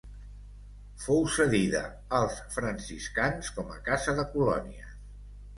Fou cedida als franciscans com a casa de colònies.